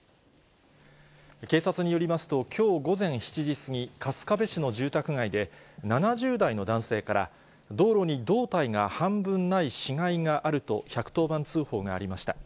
警察によりますと、きょう午前７時過ぎ、春日部市の住宅街で、７０代の男性から、道路に胴体が半分ない死骸があると、１１０番通報がありました。